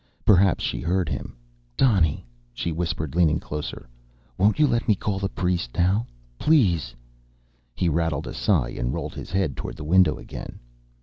Perhaps she heard him. "Donny," she whispered, leaning closer, "won't you let me call the priest now? Please." He rattled a sigh and rolled his head toward the window again.